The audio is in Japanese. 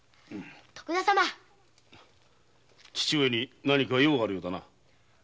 父上に何か用があるようだな。